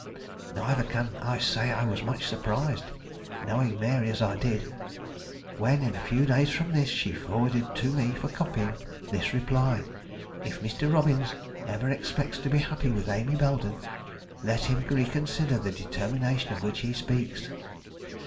Neither can I say I was much surprised, knowing Mary as I did, when, in a few days from this, she forwarded to me for copying, this reply: "If Mr. Robbins ever expects to be happy with Amy Belden, let him reconsider the determination of which he speaks.